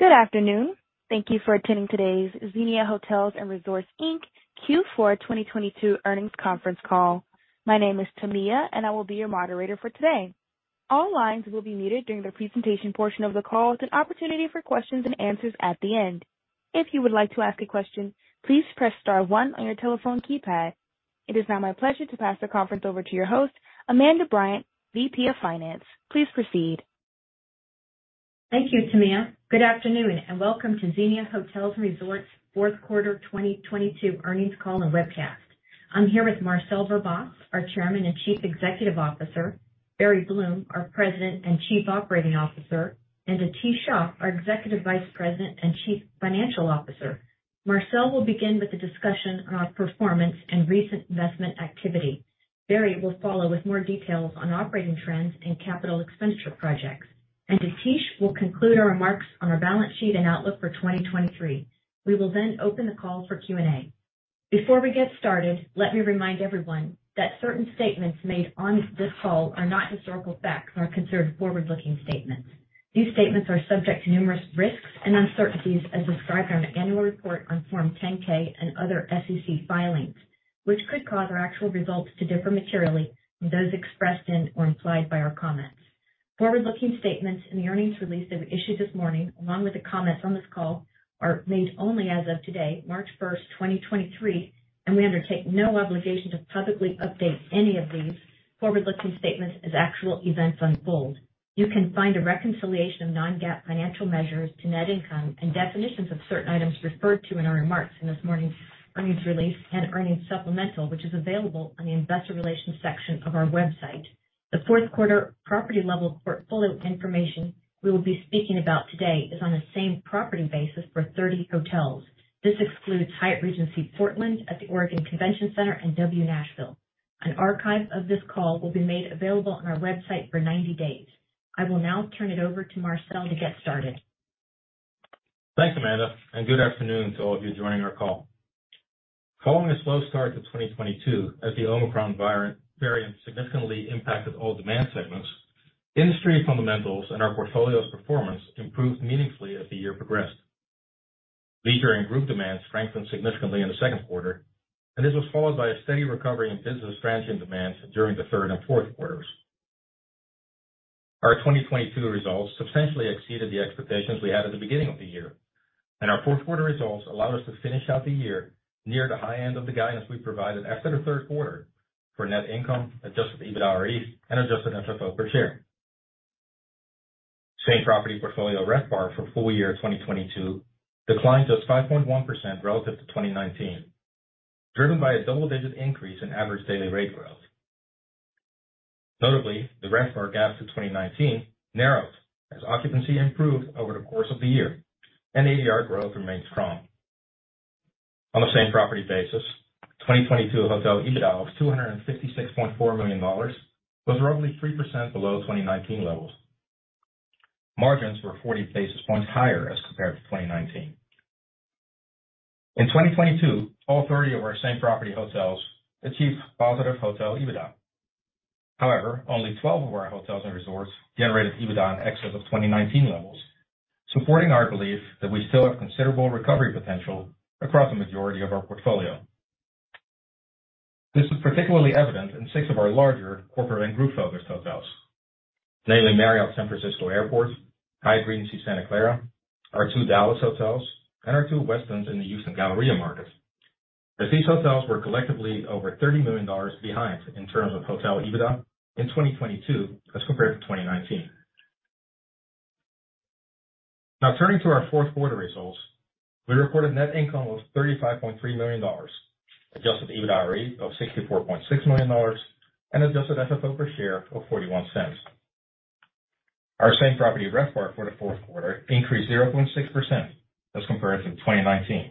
Good afternoon. Thank you for attending today's Xenia Hotels & Resorts, Inc. Q4 2022 earnings conference call. My name is Tamia, and I will be your moderator for today. All lines will be muted during the presentation portion of the call with an opportunity for questions and answers at the end. If you would like to ask a question, please press star one on your telephone keypad. It is now my pleasure to pass the conference over to your host, Amanda Bryant, VP of Finance. Please proceed. Thank you, Tamia. Good afternoon, and welcome to Xenia Hotels and Resorts fourth quarter 2022 earnings call and webcast. I'm here with Marcel Verbaas, our Chairman and Chief Executive Officer, Barry Bloom, our President and Chief Operating Officer, and Atish Shah, our Executive Vice President and Chief Financial Officer. Marcel will begin with the discussion on our performance and recent investment activity. Barry will follow with more details on operating trends and capital expenditure projects. Atish will conclude our remarks on our balance sheet and outlook for 2023. We will then open the call for Q&A. Before we get started, let me remind everyone that certain statements made on this call are not historical facts and are considered forward-looking statements. These statements are subject to numerous risks and uncertainties as described in our annual report on Form 10-K and other SEC filings, which could cause our actual results to differ materially from those expressed in or implied by our comments. Forward-looking statements in the earnings release that we issued this morning, along with the comments on this call, are made only as of today, March 1st, 2023. We undertake no obligation to publicly update any of these forward-looking statements as actual events unfold. You can find a reconciliation of non-GAAP financial measures to net income and definitions of certain items referred to in our remarks in this morning's earnings release and earnings supplemental, which is available on the investor relations section of our website. The fourth quarter property level portfolio information we will be speaking about today is on a same-property basis for 30 hotels. This excludes Hyatt Regency Portland at the Oregon Convention Center and W Nashville. An archive of this call will be made available on our website for 90 days. I will now turn it over to Marcel to get started. Thanks, Amanda, good afternoon to all of you joining our call. Following a slow start to 2022 as the Omicron variant significantly impacted all demand segments, industry fundamentals and our portfolio's performance improved meaningfully as the year progressed. Leisure and group demand strengthened significantly in the second quarter, and this was followed by a steady recovery in business transient demand during the third and fourth quarters. Our 2022 results substantially exceeded the expectations we had at the beginning of the year, and our fourth quarter results allowed us to finish out the year near the high end of the guidance we provided after the third quarter for net income, adjusted EBITDAre, and adjusted FFO per share. Same-property portfolio RevPAR for full year 2022 declined just 5.1% relative to 2019, driven by a double-digit increase in average daily rate growth. Notably, the RevPAR gap to 2019 narrowed as occupancy improved over the course of the year, and ADR growth remained strong. On a same-property basis, 2022 hotel EBITDA of $256.4 million was roughly 3% below 2019 levels. Margins were 40 basis points higher as compared to 2019. In 2022, all 30 of our same-property hotels achieved positive hotel EBITDA. However, only 12 of our hotels and resorts generated EBITDA in excess of 2019 levels, supporting our belief that we still have considerable recovery potential across the majority of our portfolio. This is particularly evident in six of our larger corporate and group focused hotels, namely Marriott San Francisco Airport, Hyatt Regency Santa Clara, our two Dallas hotels, and our two Westin in the Houston Galleria markets, as these hotels were collectively over $30 million behind in terms of hotel EBITDA in 2022 as compared to 2019. Turning to our fourth quarter results, we recorded net income of $35.3 million, adjusted EBITDAre of $64.6 million, and adjusted FFO per share of $0.41. Our same-property RevPAR for the fourth quarter increased 0.6% as compared to 2019,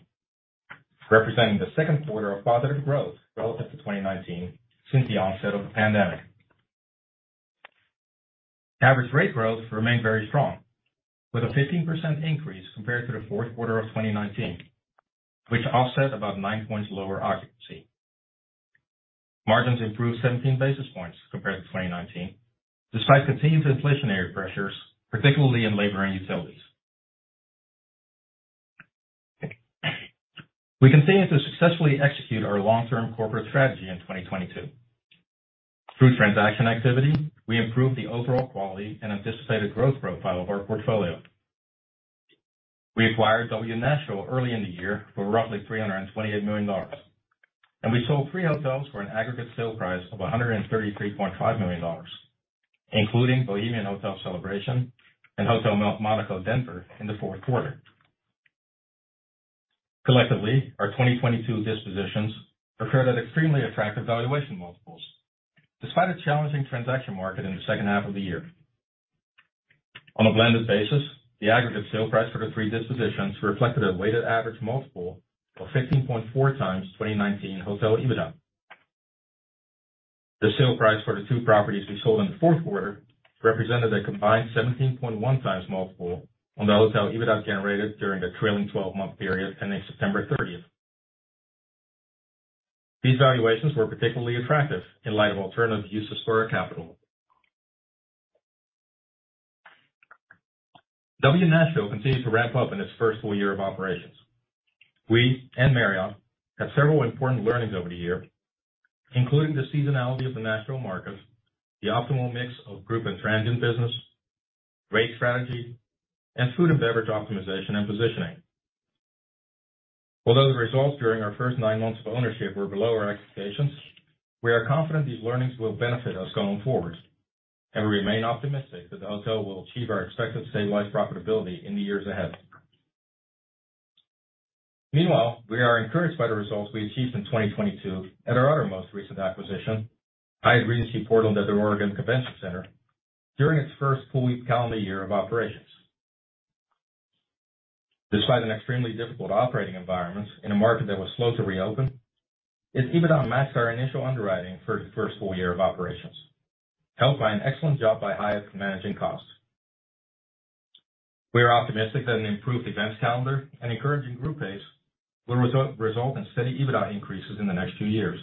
representing the second quarter of positive growth relative to 2019 since the onset of the pandemic. Average rate growth remained very strong with a 15% increase compared to the fourth quarter of 2019, which offset about nine points lower occupancy. Margins improved 17 basis points compared to 2019, despite continued inflationary pressures, particularly in labor and utilities. We continued to successfully execute our long-term corporate strategy in 2022. Through transaction activity, we improved the overall quality and anticipated growth profile of our portfolio. We acquired W Nashville early in the year for roughly $328 million, and we sold three hotels for an aggregate sale price of $133.5 million, including Bohemian Hotel Celebration and Hotel Monaco Denver in the fourth quarter. Collectively, our 2022 dispositions occurred at extremely attractive valuation multiples, despite a challenging transaction market in the second half of the year. On a blended basis, the aggregate sale price for the three dispositions reflected a weighted average multiple of 15.4x 2019 hotel EBITDA. The sale price for the two properties we sold in the fourth quarter represented a combined 17.1x multiple on the hotel EBITDA generated during the trailing 12-month period ending September 30th. These valuations were particularly attractive in light of alternative use of square capital. W Nashville continues to wrap up in its first full year of operations. We and Marriott had several important learnings over the year, including the seasonality of the Nashville market, the optimal mix of group and transient business, rate strategy, and food and beverage optimization and positioning. Although the results during our first nine months of ownership were below our expectations, we are confident these learnings will benefit us going forward, and we remain optimistic that the hotel will achieve our expected stabilized profitability in the years ahead. Meanwhile, we are encouraged by the results we achieved in 2022 at our other most recent acquisition, Hyatt Regency Portland at the Oregon Convention Center, during its first full calendar year of operations. Despite an extremely difficult operating environment in a market that was slow to reopen, its EBITDA matched our initial underwriting for its first full year of operations, helped by an excellent job by Hyatt managing costs. We are optimistic that an improved events calendar and encouraging group pace will result in steady EBITDA increases in the next few years.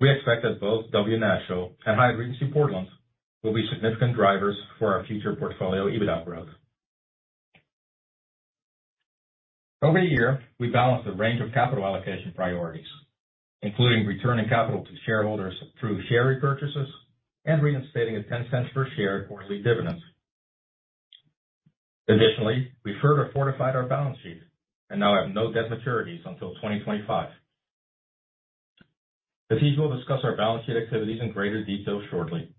We expect that both W Nashville and Hyatt Regency Portland will be significant drivers for our future portfolio EBITDA growth. Over a year, we balanced a range of capital allocation priorities, including returning capital to shareholders through share repurchases and reinstating a $0.10 per share quarterly dividends. Additionally, we further fortified our balance sheet and now have no debt maturities until 2025. Atish will discuss our balance sheet activities in greater detail shortly.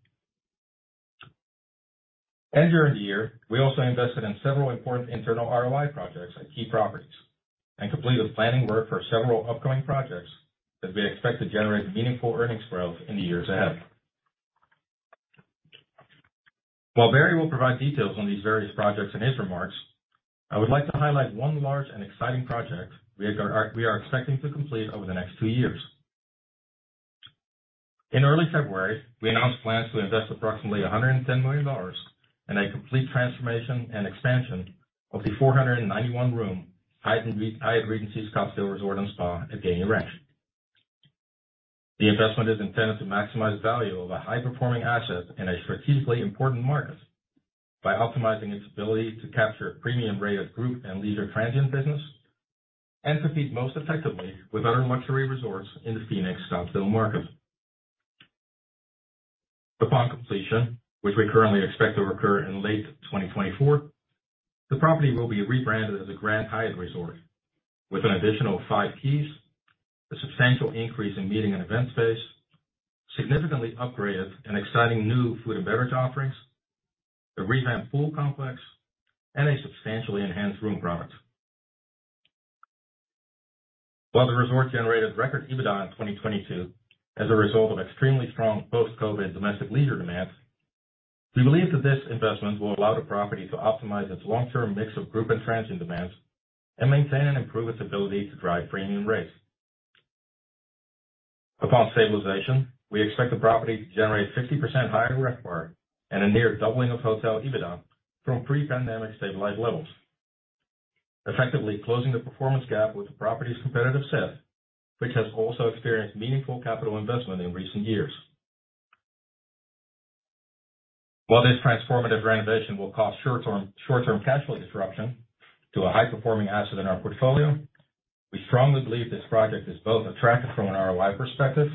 During the year, we also invested in several important internal ROI projects at key properties and completed planning work for several upcoming projects that we expect to generate meaningful earnings growth in the years ahead. While Barry will provide details on these various projects in his remarks, I would like to highlight one large and exciting project we are expecting to complete over the next two years. In early February, we announced plans to invest approximately $110 million in a complete transformation and expansion of the 491-room Hyatt Regency Scottsdale Resort & Spa at Gainey Ranch. The investment is intended to maximize value of a high-performing asset in a strategically important market by optimizing its ability to capture a premium rate of group and leisure transient business and compete most effectively with other luxury resorts in the Phoenix, Scottsdale market. Upon completion, which we currently expect to occur in late 2024, the property will be rebranded as a Grand Hyatt Resort with an additional five keys, a substantial increase in meeting and event space, significantly upgraded and exciting new food and beverage offerings, a revamped pool complex, and a substantially enhanced room product. While the resort generated record EBITDA in 2022 as a result of extremely strong post-COVID domestic leisure demands, we believe that this investment will allow the property to optimize its long-term mix of group and transient demands and maintain and improve its ability to drive premium rates. Upon stabilization, we expect the property to generate 50% higher RevPAR and a near doubling of hotel EBITDA from pre-pandemic stabilized levels, effectively closing the performance gap with the property's competitive set, which has also experienced meaningful capital investment in recent years. While this transformative renovation will cause short-term cash flow disruption to a high-performing asset in our portfolio, we strongly believe this project is both attractive from an ROI perspective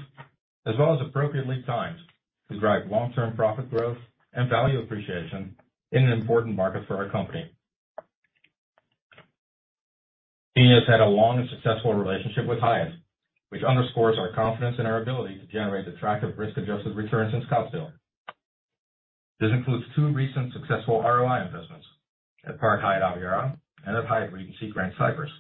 as well as appropriately timed to drive long-term profit growth and value appreciation in an important market for our company. Gainey has had a long and successful relationship with Hyatt, which underscores our confidence in our ability to generate attractive risk-adjusted returns in Scottsdale. This includes two recent successful ROI investments at Park Hyatt Aviara and at Hyatt Regency Grand Cypress.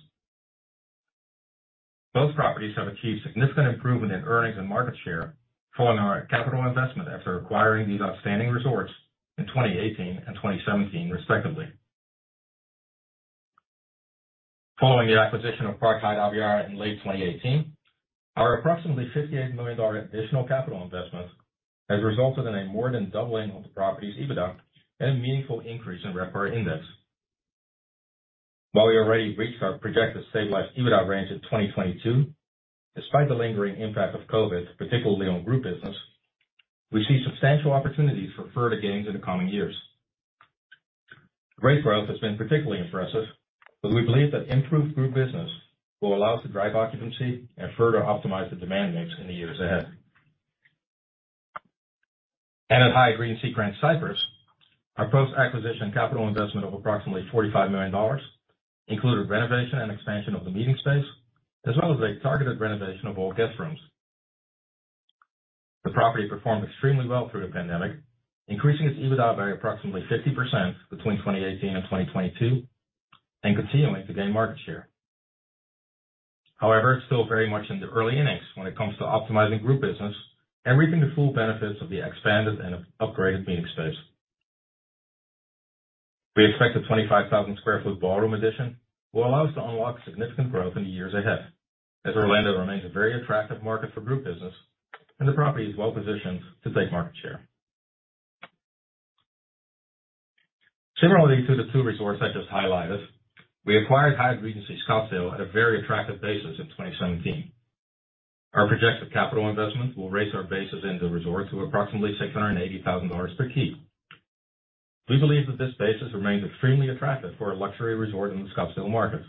Both properties have achieved significant improvement in earnings and market share following our capital investment after acquiring these outstanding resorts in 2018 and 2017 respectively. Following the acquisition of Park Hyatt Aviara in late 2018, our approximately $58 million additional capital investment has resulted in a more than doubling of the property's EBITDA and a meaningful increase in RevPAR index. While we already reached our projected stabilized EBITDA range in 2022, despite the lingering impact of COVID, particularly on group business, we see substantial opportunities for further gains in the coming years. Rate growth has been particularly impressive, but we believe that improved group business will allow us to drive occupancy and further optimize the demand mix in the years ahead. At Hyatt Regency Grand Cypress, our post-acquisition capital investment of approximately $45 million included renovation and expansion of the meeting space as well as a targeted renovation of all guest rooms. The property performed extremely well through the pandemic, increasing its EBITDA by approximately 50% between 2018 and 2022 and continuing to gain market share. However, it's still very much in the early innings when it comes to optimizing group business and reaping the full benefits of the expanded and upgraded meeting space. We expect a 25,000 sq ft ballroom addition will allow us to unlock significant growth in the years ahead, as Orlando remains a very attractive market for group business and the property is well positioned to take market share. Additionally to the two resorts I just highlighted, we acquired Hyatt Regency Scottsdale at a very attractive basis in 2017. Our projected capital investment will raise our basis in the resort to approximately $680,000 per key. We believe that this basis remains extremely attractive for a luxury resort in the Scottsdale market,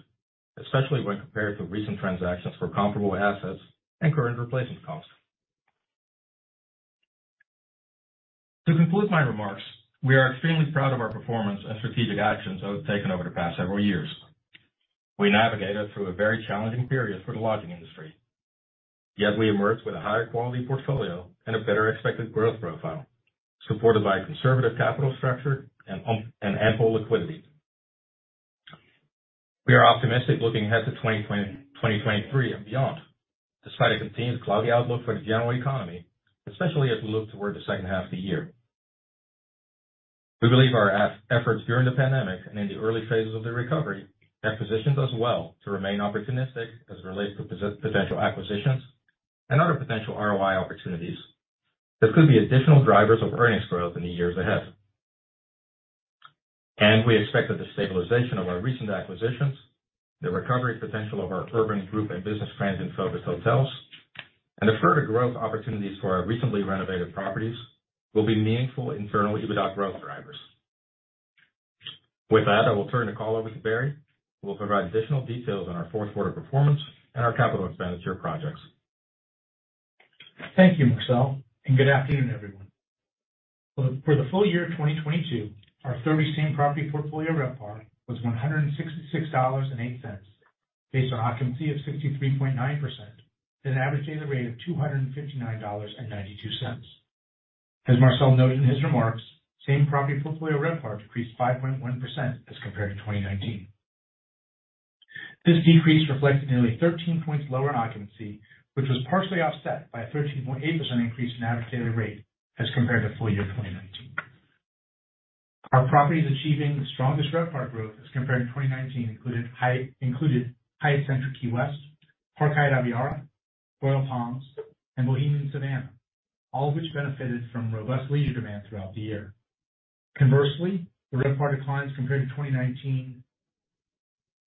especially when compared to recent transactions for comparable assets and current replacement costs. To conclude my remarks, we are extremely proud of our performance and strategic actions that we've taken over the past several years. We navigated through a very challenging period for the lodging industry. Yet we emerged with a higher quality portfolio and a better expected growth profile, supported by a conservative capital structure and ample liquidity. We are optimistic looking ahead to 2023 and beyond, despite a continued cloudy outlook for the general economy, especially as we look toward the second half of the year. We believe our efforts during the pandemic and in the early phases of the recovery have positioned us well to remain opportunistic as it relates to potential acquisitions and other potential ROI opportunities. This could be additional drivers of earnings growth in the years ahead. We expect that the stabilization of our recent acquisitions, the recovery potential of our urban group and business transient-focused hotels, and the further growth opportunities for our recently renovated properties will be meaningful internal EBITDA growth drivers. With that, I will turn the call over to Barry, who will provide additional details on our fourth quarter performance and our capital expenditure projects. Thank you, Marcel, good afternoon, everyone. For the full year 2022, our 30 same-property portfolio RevPAR was $166.08 based on occupancy of 63.9% at an average daily rate of $259.92. As Marcel noted in his remarks, same-property portfolio RevPAR decreased 5.1% as compared to 2019. This decrease reflects nearly 13 points lower in occupancy, which was partially offset by a 13.8% increase in average daily rate as compared to full year 2019. Our properties achieving the strongest RevPAR growth as compared to 2019 included Hyatt Centric Key West, Park Hyatt Aviara, Royal Palms, and Bohemian Savannah, all of which benefited from robust leisure demand throughout the year. Conversely, the RevPAR declines compared to 2019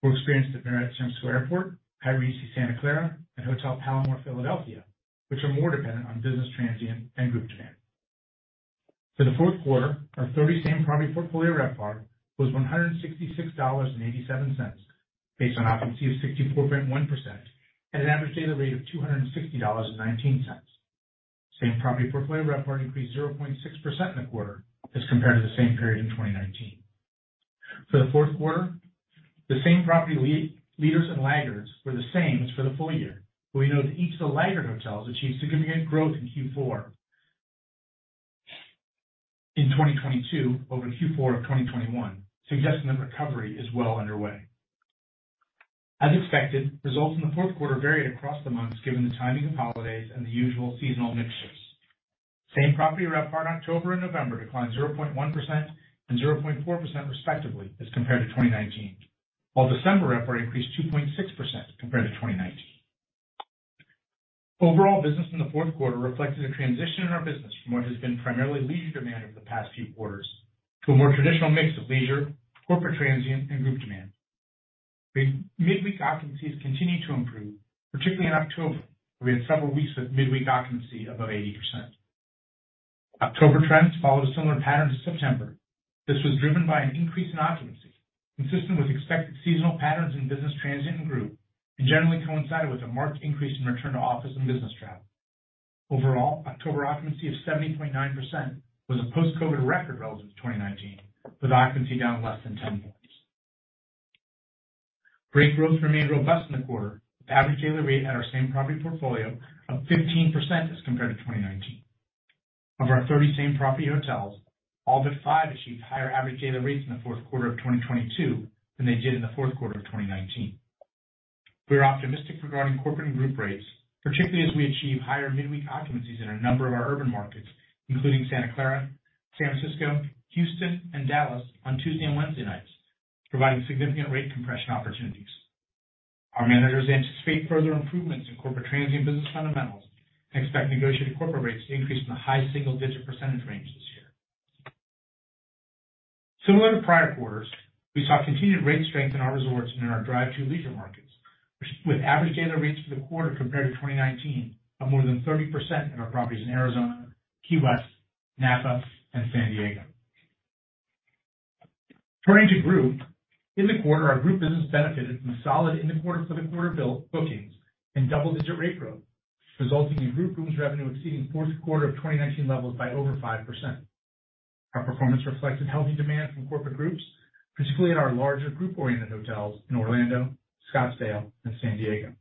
were experienced at San Francisco Airport Marriott Waterfront, Hyatt Regency Santa Clara, and Kimpton Hotel Palomar Philadelphia, which are more dependent on business transient and group demand. For the fourth quarter, our 30 same-property portfolio RevPAR was $166.87 based on occupancy of 64.1% at an average daily rate of $260.19. Same-property portfolio RevPAR increased 0.6% in the quarter as compared to the same period in 2019. For the fourth quarter, the same-property leaders and laggards were the same as for the full year. We note that each of the laggard hotels achieved significant growth in Q4 in 2022 over Q4 of 2021, suggesting the recovery is well underway. As expected, results in the fourth quarter varied across the months given the timing of holidays and the usual seasonal mixtures. Same-property RevPAR in October and November declined 0.1% and 0.4% respectively as compared to 2019. December RevPAR increased 2.6% compared to 2019. Overall, business in the fourth quarter reflected a transition in our business from what has been primarily leisure demand over the past few quarters to a more traditional mix of leisure, corporate transient, and group demand. Midweek occupancies continued to improve, particularly in October, where we had several weeks of midweek occupancy above 80%. October trends followed a similar pattern to September. This was driven by an increase in occupancy, consistent with expected seasonal patterns in business transient and group, and generally coincided with a marked increase in return to office and business travel. Overall, October occupancy of 70.9% was a post-COVID record relative to 2019, with occupancy down less than 10 points. Rate growth remained robust in the quarter, with average daily rate at our same-property portfolio up 15% as compared to 2019. Of our 30 same-property hotels, all but five achieved higher average daily rates in the fourth quarter of 2022 than they did in the fourth quarter of 2019. We are optimistic regarding corporate and group rates, particularly as we achieve higher midweek occupancies in a number of our urban markets, including Santa Clara, San Francisco, Houston, and Dallas on Tuesday and Wednesday nights, providing significant rate compression opportunities. Our managers anticipate further improvements in corporate transient business fundamentals and expect negotiated corporate rates to increase in the high single-digit percentage range this year. Similar to prior quarters, we saw continued rate strength in our resorts and in our drive-to leisure markets, which with average daily rates for the quarter compared to 2019 of more than 30% in our properties in Arizona, Key West, Napa, and San Diego. Turning to group. In the quarter, our group business benefited from solid for the quarter bill-bookings and double-digit rate growth, resulting in group rooms revenue exceeding fourth quarter of 2019 levels by over 5%. Our performance reflected healthy demand from corporate groups, particularly at our larger group-oriented hotels in Orlando, Scottsdale, and San Diego.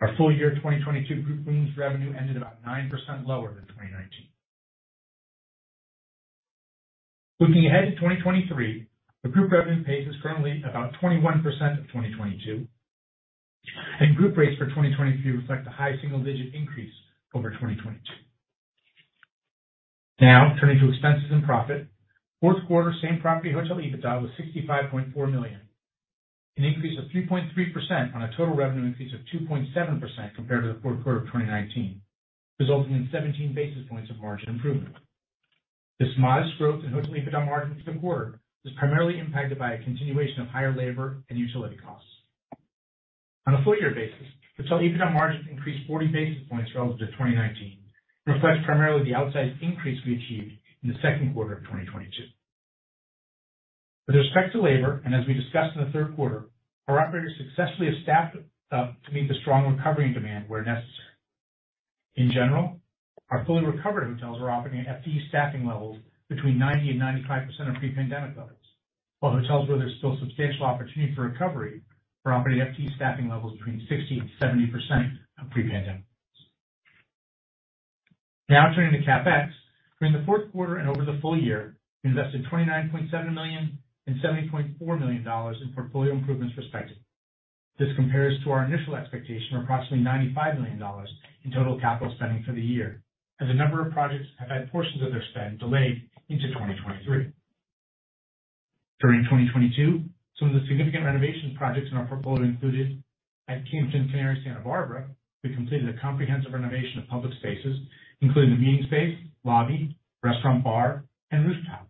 Our full year 2022 group rooms revenue ended about 9% lower than 2019. Looking ahead to 2023, the group revenue pace is currently about 21% of 2022, and group rates for 2023 reflect a high single-digit increase over 2022. Turning to expenses and profit. Fourth quarter same-property hotel EBITDA was $65.4 million. An increase of 3.3% on a total revenue increase of 2.7% compared to the fourth quarter of 2019, resulting in 17 basis points of margin improvement. This modest growth in hotel EBITDA margin this quarter was primarily impacted by a continuation of higher labor and utility costs. On a full year basis, hotel EBITDA margin increased 40 basis points relative to 2019. It reflects primarily the outsized increase we achieved in the second quarter of 2022. With respect to labor, and as we discussed in the third quarter, our operators successfully have staffed up to meet the strong recovery and demand where necessary. In general, our fully recovered hotels are operating at FTE staffing levels between 90% and 95% of pre-pandemic levels, while hotels where there's still substantial opportunity for recovery are operating FTE staffing levels between 60% and 70% of pre-pandemic levels. Now turning to CapEx. During the fourth quarter and over the full year, we invested $29.7 million and $70.4 million in portfolio improvements, respectively. This compares to our initial expectation of approximately $95 million in total capital spending for the year, as a number of projects have had portions of their spend delayed into 2023. During 2022, some of the significant renovation projects in our portfolio included At Kimpton Canary Santa Barbara, we completed a comprehensive renovation of public spaces, including the meeting space, lobby, restaurant, bar, and rooftop.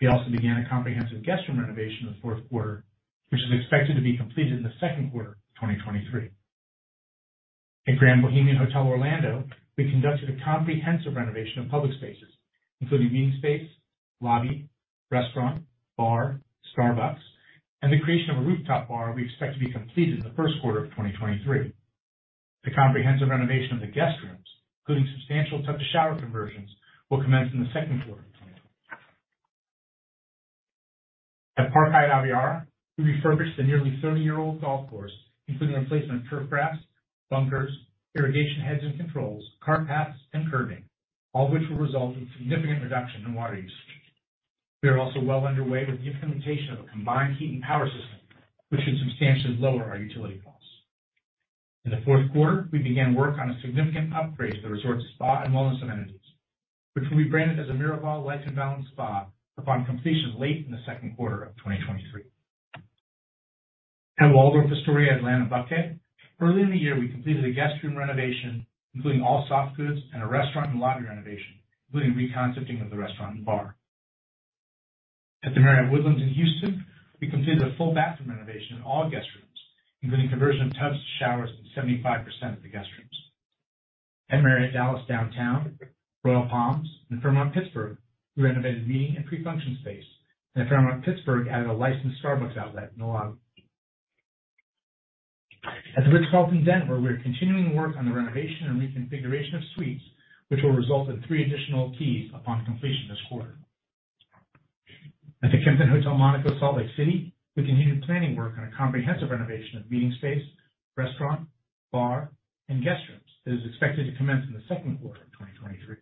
We also began a comprehensive guest room renovation in the fourth quarter, which is expected to be completed in the second quarter of 2023. At Grand Bohemian Hotel Orlando, we conducted a comprehensive renovation of public spaces, including meeting space, lobby, restaurant, bar, Starbucks, and the creation of a rooftop bar we expect to be completed in the first quarter of 2023. The comprehensive renovation of the guest rooms, including substantial tub to shower conversions, will commence in the second quarter of 2023. At Park Hyatt Aviara, we refurbished the nearly 30-year-old golf course, including replacement of turf grass, bunkers, irrigation heads and controls, cart paths, and curving, all of which will result in significant reduction in water usage. We are also well underway with the implementation of a combined heat and power system, which should substantially lower our utility costs. In the fourth quarter, we began work on a significant upgrade to the resort's spa and wellness amenities, which will be branded as a Miraval Life in Balance Spa upon completion late in the second quarter of 2023. At Waldorf Astoria Atlanta Buckhead, early in the year, we completed a guest room renovation, including all soft goods and a restaurant and lobby renovation, including re-concepting of the restaurant and bar. At The Marriott Woodlands in Houston, we completed a full bathroom renovation in all guest rooms, including conversion of tubs to showers in 75% of the guest rooms. At Marriott Dallas Downtown, Royal Palms, and Fairmont Pittsburgh, we renovated meeting and pre-function space. At Fairmont Pittsburgh added a licensed Starbucks outlet in the lobby. At The Ritz-Carlton, Denver, we are continuing work on the renovation and reconfiguration of suites, which will result in three additional keys upon completion this quarter. At the Kimpton Hotel Monaco Salt Lake City, we continued planning work on a comprehensive renovation of meeting space, restaurant, bar, and guest rooms that is expected to commence in the second quarter of 2023.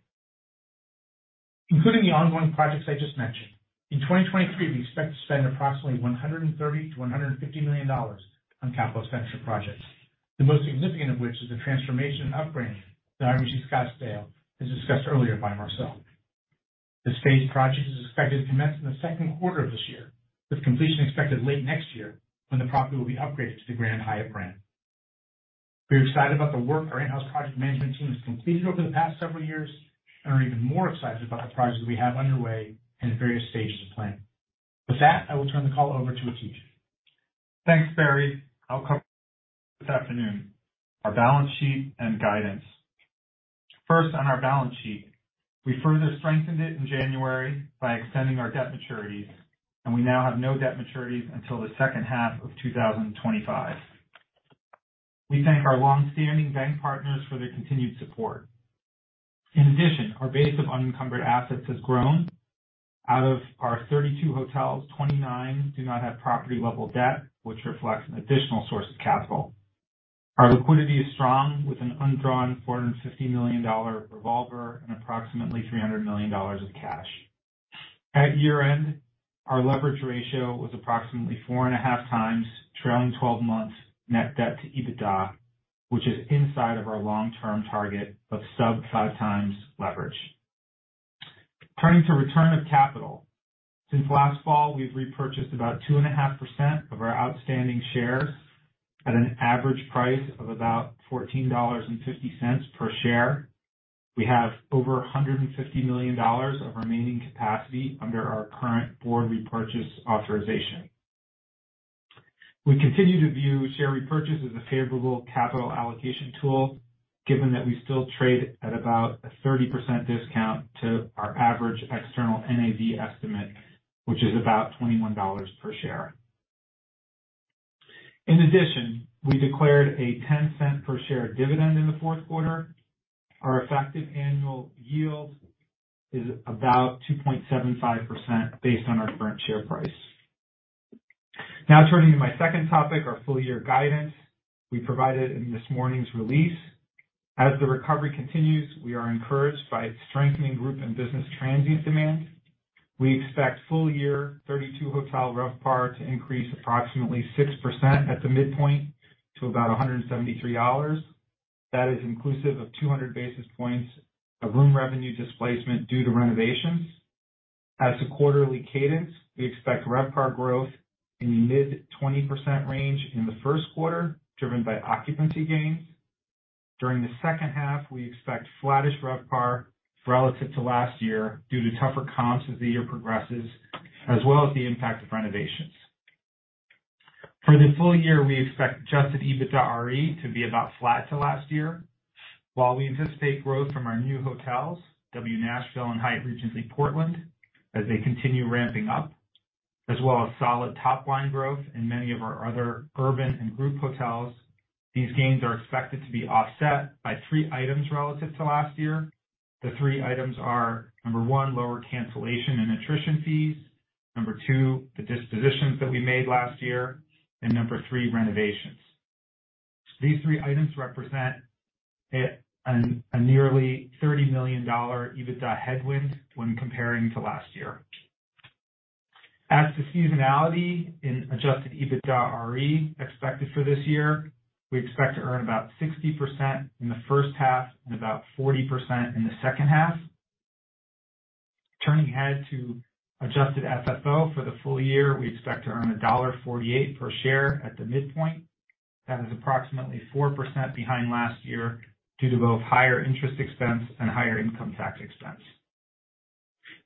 Including the ongoing projects I just mentioned, in 2023 we expect to spend approximately $130 million-$150 million on capital expenditure projects, the most significant of which is the transformation and up-branding of the Hyatt Regency Scottsdale, as discussed earlier by Marcel. This phased project is expected to commence in the second quarter of this year, with completion expected late next year when the property will be upgraded to the Grand Hyatt brand. We are excited about the work our in-house project management team has completed over the past several years and are even more excited about the projects we have underway in various stages of planning. With that, I will turn the call over to Atish. Thanks, Barry. I'll cover this afternoon our balance sheet and guidance. First, on our balance sheet. We further strengthened it in January by extending our debt maturities, we now have no debt maturities until the second half of 2025. We thank our long-standing bank partners for their continued support. In addition, our base of unencumbered assets has grown. Out of our 32 hotels, 29 do not have property-level debt, which reflects an additional source of capital. Our liquidity is strong with an undrawn $450 million revolver and approximately $300 million of cash. At year-end, our leverage ratio was approximately 4.5x trailing twelve months net debt to EBITDA, which is inside of our long-term target of sub 5x leverage. Turning to return of capital. Since last fall, we've repurchased about 2.5% of our outstanding shares at an average price of about $14.50 per share. We have over $150 million of remaining capacity under our current board repurchase authorization. We continue to view share repurchase as a favorable capital allocation tool, given that we still trade at about a 30% discount to our average external NAV estimate, which is about $21 per share. In addition, we declared a $0.10 per share dividend in the fourth quarter. Our effective annual yield is about 2.75% based on our current share price. Turning to my second topic, our full year guidance we provided in this morning's release. As the recovery continues, we are encouraged by strengthening group and business transient demand. We expect full year 32 hotel RevPAR to increase approximately 6% at the midpoint to about $173. That is inclusive of 200 basis points of room revenue displacement due to renovations. A quarterly cadence, we expect RevPAR growth in the mid 20% range in the first quarter, driven by occupancy gains. During the second half, we expect flattish RevPAR relative to last year due to tougher comps as the year progresses, as well as the impact of renovations. For the full year, we expect adjusted EBITDAre to be about flat to last year. We anticipate growth from our new hotels, W Nashville and Hyatt Regency Portland, as they continue ramping up, as well as solid top line growth in many of our other urban and group hotels, these gains are expected to be offset by three items relative to last year. The three items are, number one, lower cancellation and attrition fees, number two, the dispositions that we made last year, and number three, renovations. These three items represent a nearly $30 million EBITDA headwind when comparing to last year. As to seasonality in adjusted EBITDAre expected for this year, we expect to earn about 60% in the first half and about 40% in the second half. Turning ahead to adjusted FFO for the full year, we expect to earn $1.48 per share at the midpoint. That is approximately 4% behind last year due to both higher interest expense and higher income tax expense.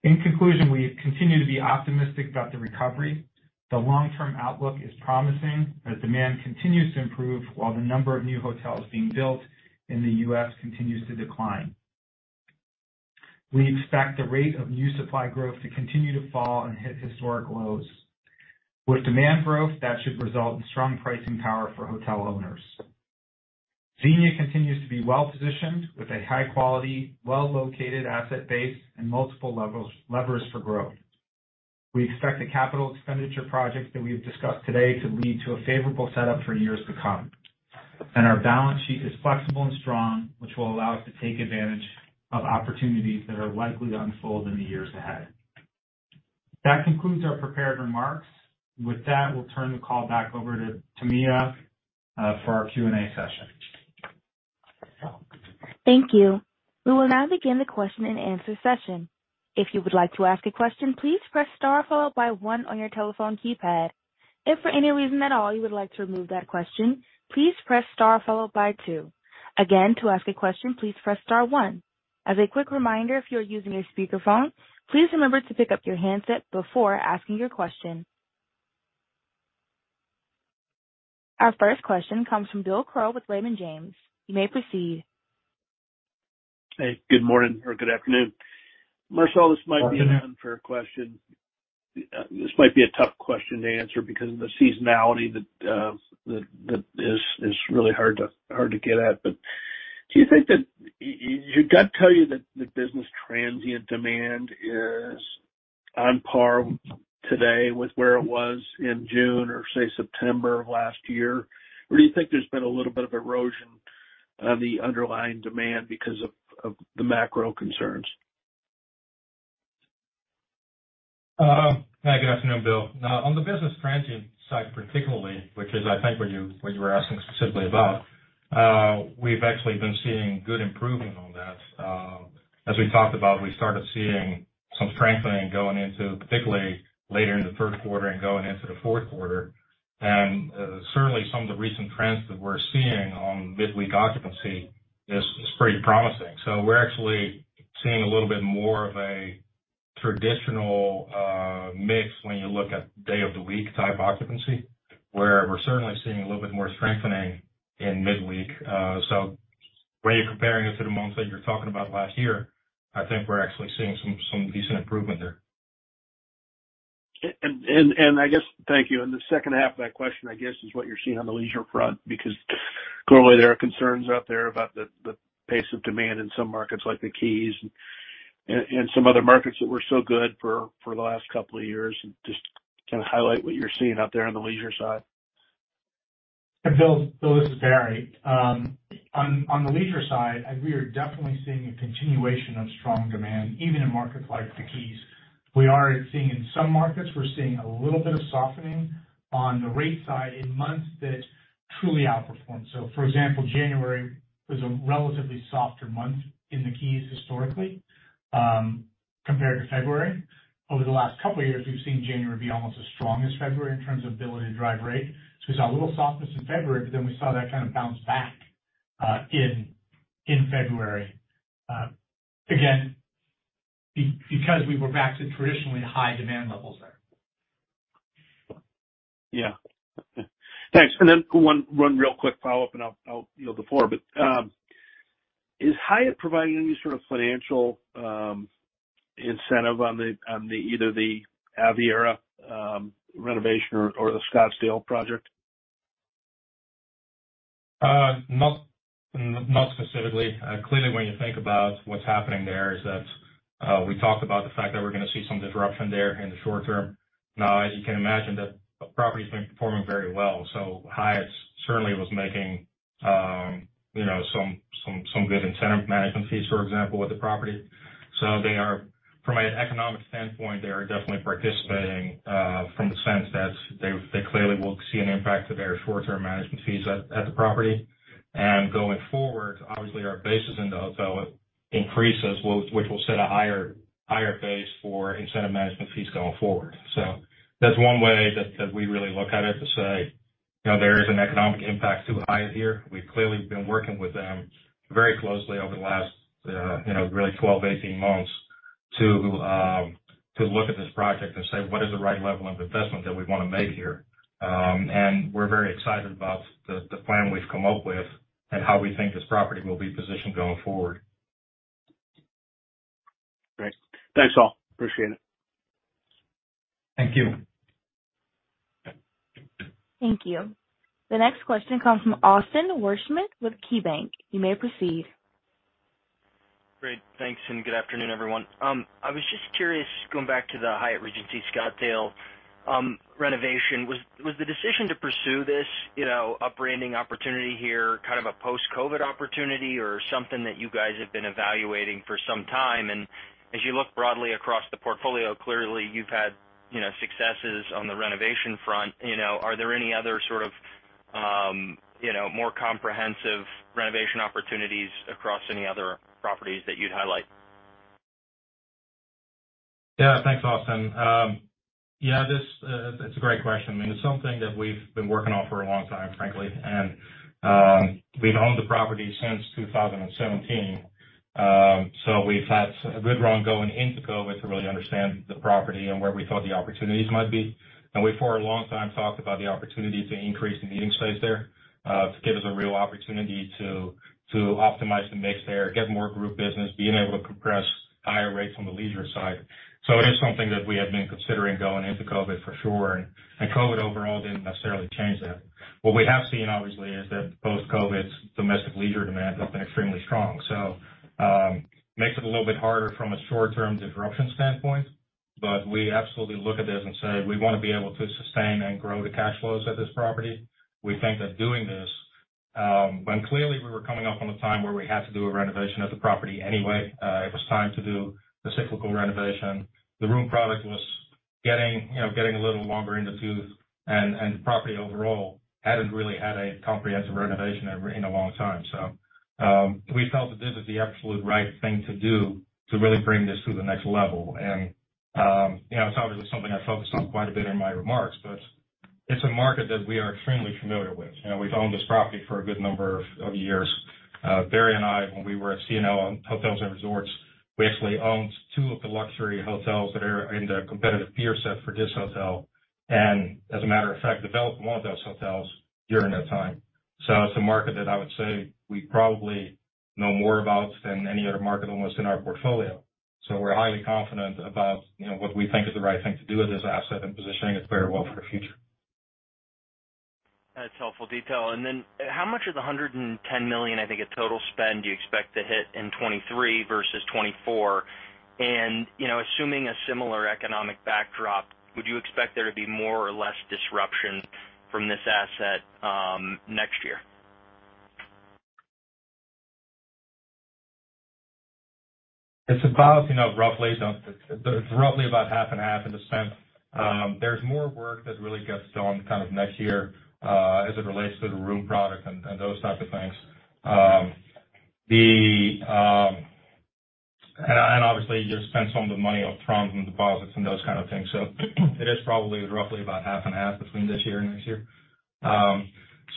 In conclusion, we continue to be optimistic about the recovery. The long-term outlook is promising as demand continues to improve while the number of new hotels being built in the U.S. continues to decline. We expect the rate of new supply growth to continue to fall and hit historic lows. With demand growth, that should result in strong pricing power for hotel owners. Xenia continues to be well-positioned with a high-quality, well-located asset base and multiple levers for growth. We expect the capital expenditure projects that we've discussed today to lead to a favorable setup for years to come. Our balance sheet is flexible and strong, which will allow us to take advantage of opportunities that are likely to unfold in the years ahead. That concludes our prepared remarks. We'll turn the call back over to Tamia for our Q&A session. Thank you. We will now begin the question-and-answer session. If you would like to ask a question, please press star followed by one on your telephone keypad. If for any reason at all you would like to remove that question, please press star followed by two. Again, to ask a question, please press star one. As a quick reminder, if you are using a speakerphone, please remember to pick up your handset before asking your question. Our first question comes from Bill Crow with Raymond James. You may proceed. Hey, good morning or good afternoon. Marcel, this might be an unfair question. This might be a tough question to answer because of the seasonality that is really hard to get at. Do you think that your gut tell you that the business transient demand is on par today with where it was in June or say September of last year? Or do you think there's been a little bit of erosion of the underlying demand because of the macro concerns? Hi, good afternoon, Bill. On the business transient side particularly, which is I think what you were asking specifically about, we've actually been seeing good improvement on that. As we talked about, we started seeing some strengthening going into particularly later in the third quarter and going into the fourth quarter. Certainly some of the recent trends that we're seeing on midweek occupancy is pretty promising. We're actually seeing a little bit more of a traditional mix when you look at day of the week type occupancy, where we're certainly seeing a little bit more strengthening in midweek. When you're comparing it to the months that you're talking about last year, I think we're actually seeing some decent improvement there. I guess... Thank you. The second half of that question, I guess, is what you're seeing on the leisure front, because clearly there are concerns out there about the pace of demand in some markets like the Keys and some other markets that were so good for the last couple of years. Just to kind of highlight what you're seeing out there on the leisure side. Bill, this is Barry. On the leisure side, we are definitely seeing a continuation of strong demand, even in markets like the Keys. We are seeing in some markets, we're seeing a little bit of softening on the rate side in months that truly outperform. For example, January was a relatively softer month in the Keys historically, compared to February. Over the last couple of years, we've seen January be almost as strong as February in terms of ability to drive rate. We saw a little softness in February, we saw that kind of bounce back in February, again, because we were back to traditionally high demand levels there. Yeah. Thanks. One real quick follow-up and I'll yield the floor. Is Hyatt providing any sort of financial incentive either the Aviara renovation or the Scottsdale project? Not specifically. Clearly, when you think about what's happening there is that, we talked about the fact that we're gonna see some disruption there in the short term. Now, as you can imagine, the property's been performing very well. Hyatt certainly was making, you know, some good incentive management fees, for example, with the property. From an economic standpoint, they are definitely participating, from the sense that they clearly will see an impact to their short-term management fees at the property. Going forward, obviously, our bases in the hotel increases, which will set a higher base for incentive management fees going forward. That's one way that we really look at it, to say... You know, there is an economic impact to Hyatt here. We've clearly been working with them very closely over the last, you know, really 12-18 months to look at this project and say, "What is the right level of investment that we wanna make here?" We're very excited about the plan we've come up with and how we think this property will be positioned going forward. Great. Thanks, all. Appreciate it. Thank you. Thank you. The next question comes from Austin Wurschmidt with KeyBanc. You may proceed. Great. Thanks, and good afternoon, everyone. I was just curious, going back to the Hyatt Regency Scottsdale renovation. Was the decision to pursue this, you know, up-branding opportunity here, kind of a post-COVID opportunity or something that you guys have been evaluating for some time? As you look broadly across the portfolio, clearly you've had, you know, successes on the renovation front. You know, are there any other sort of, you know, more comprehensive renovation opportunities across any other properties that you'd highlight? Thanks, Austin. That's a great question. I mean, it's something that we've been working on for a long time, frankly. We've owned the property since 2017. We've had a good run going into COVID to really understand the property and where we thought the opportunities might be. We, for a long time, talked about the opportunity to increase the meeting space there, to give us a real opportunity to optimize the mix there, get more group business, being able to compress higher rates on the leisure side. It is something that we have been considering going into COVID for sure, and COVID overall didn't necessarily change that. What we have seen, obviously, is that post-COVID, domestic leisure demand has been extremely strong. Makes it a little bit harder from a short-term disruption standpoint, but we absolutely look at this and say, we wanna be able to sustain and grow the cash flows at this property. We think that doing this, when clearly we were coming up on a time where we had to do a renovation of the property anyway, it was time to do the cyclical renovation. The room product was getting, you know, getting a little longer in the tooth and the property overall hadn't really had a comprehensive renovation ever in a long time. We felt that this was the absolute right thing to do to really bring this to the next level. You know, it's obviously something I focused on quite a bit in my remarks, but it's a market that we are extremely familiar with. You know, we've owned this property for a good number of years. Barry and I, when we were at CNL Hotels & Resorts, we actually owned two of the luxury hotels that are in the competitive peer set for this hotel. As a matter of fact, developed one of those hotels during that time. It's a market that I would say we probably know more about than any other market almost in our portfolio. We're highly confident about, you know, what we think is the right thing to do with this asset and positioning it very well for the future. That's helpful detail. How much of the $110 million, I think, of total spend you expect to hit in 2023 versus 2024? You know, assuming a similar economic backdrop, would you expect there to be more or less disruption from this asset, next year? It's about, you know, roughly about half and half in the spend. There's more work that really gets done kind of next year, as it relates to the room product and those types of things. Obviously, you spend some of the money up front in deposits and those kind of things. It is probably roughly about half and half between this year and next year.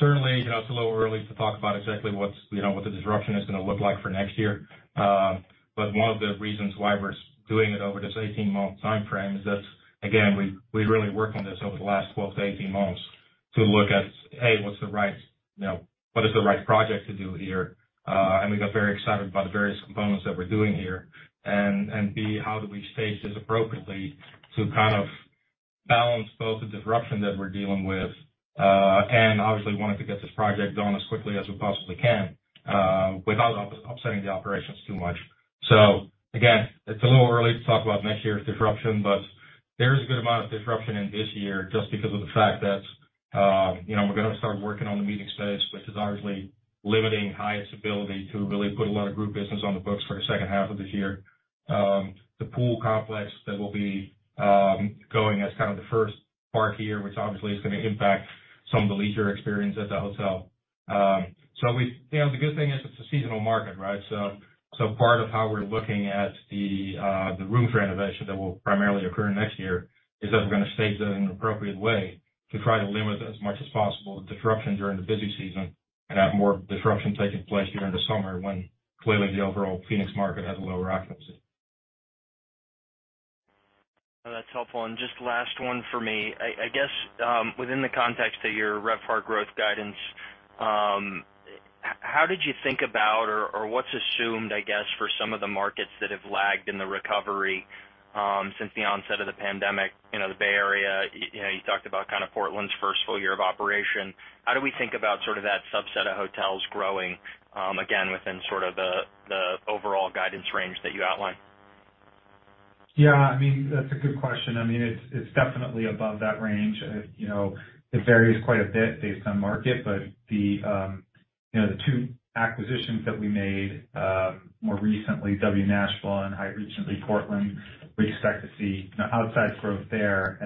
Certainly, you know, it's a little early to talk about exactly what's, you know, what the disruption is gonna look like for next year. One of the reasons why we're doing it over this 18-month timeframe is that, again, we really worked on this over the last 12-18 months to look at, A, what's the right, you know, what is the right project to do here? We got very excited about the various components that we're doing here. B, how do we stage this appropriately to kind of balance both the disruption that we're dealing with, and obviously wanted to get this project done as quickly as we possibly can, without upsetting the operations too much. Again, it's a little early to talk about next year's disruption, but there is a good amount of disruption in this year just because of the fact that, you know, we're gonna start working on the meeting space, which is obviously limiting Hyatt's ability to really put a lot of group business on the books for the second half of this year. The pool complex that will be, going as kind of the first part here, which obviously is gonna impact some of the leisure experience at the hotel. You know, the good thing is it's a seasonal market, right? Part of how we're looking at the room for renovation that will primarily occur next year is that we're gonna stage it in an appropriate way to try to limit as much as possible the disruption during the busy season and have more disruption taking place during the summer when clearly the overall Phoenix market has lower occupancy. That's helpful. Just last one for me. I guess, within the context of your RevPAR growth guidance, how did you think about or what's assumed, I guess, for some of the markets that have lagged in the recovery since the onset of the pandemic, you know, the Bay Area, you know, you talked about kind of Portland's first full year of operation. How do we think about sort of that subset of hotels growing again, within sort of the overall guidance range that you outlined? Yeah, I mean, that's a good question. I mean, it's definitely above that range. You know, it varies quite a bit based on market, but the, you know, the two acquisitions that we made more recently, W Nashville and Hyatt Regency Portland, we expect to see outsized growth there.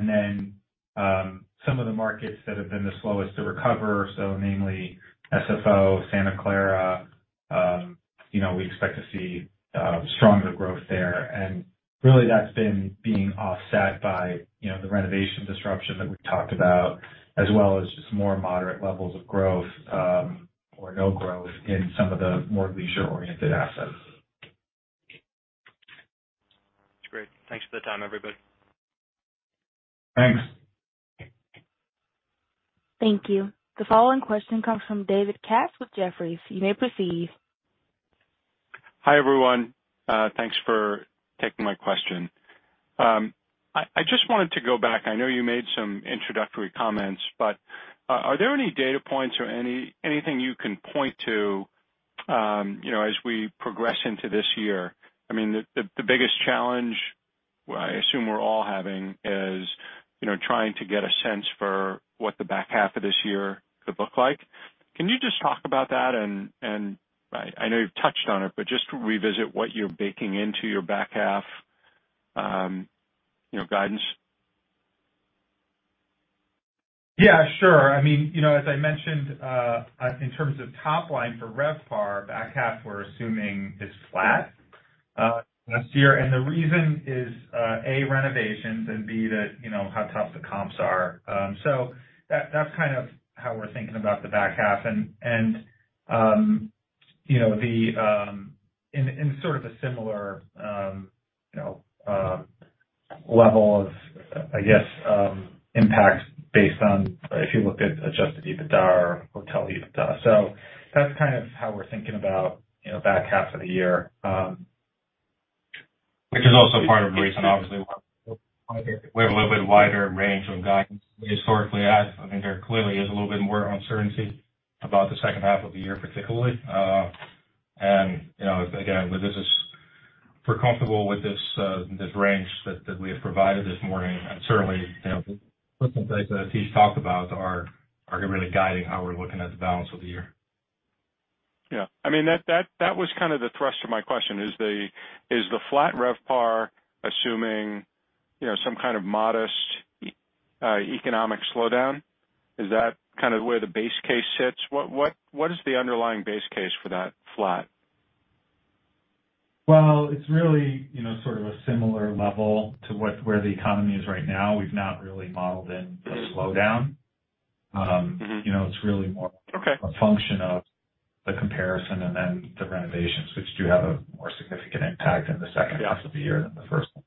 Some of the markets that have been the slowest to recover, so namely SFO, Santa Clara. You know, we expect to see stronger growth there. Really that's been being offset by, you know, the renovation disruption that we talked about, as well as just more moderate levels of growth, or no growth in some of the more leisure-oriented assets. That's great. Thanks for the time, everybody. Thanks. Thank you. The following question comes from David Katz with Jefferies. You may proceed. Hi, everyone. Thanks for taking my question. I just wanted to go back. I know you made some introductory comments. Are there any data points or anything you can point to, you know, as we progress into this year? I mean, the biggest challenge, well, I assume we're all having is, you know, trying to get a sense for what the back half of this year could look like. Can you just talk about that? I know you've touched on it, but just revisit what you're baking into your back half, you know, guidance. Yeah, sure. I mean, you know, as I mentioned, in terms of top line for RevPAR, back half, we're assuming is flat last year. The reason is, A, renovations, and B, that, you know, how tough the comps are. That's kind of how we're thinking about the back half. You know, the, in sort of a similar, you know, level of, I guess, impacts based on if you looked at adjusted EBITDA or hotel EBITDA. That's kind of how we're thinking about, you know, back half of the year. Which is also part of the reason, obviously, we have a little bit wider range on guidance historically as, I mean, there clearly is a little bit more uncertainty about the second half of the year, particularly. You know, again, this is... We're comfortable with this range that we have provided this morning. Certainly, you know, the things that Atish Shah talked about are going to be guiding how we're looking at the balance of the year. Yeah. I mean, that was kind of the thrust of my question. Is the, is the flat RevPAR assuming, you know, some kind of modest economic slowdown? Is that kind of where the base case sits? What is the underlying base case for that flat? Well, it's really, you know, sort of a similar level to where the economy is right now. We've not really modeled in a slowdown. you know, it's really. Okay. a function of the comparison and then the renovations, which do have a more significant impact in the second half of the year than the first one.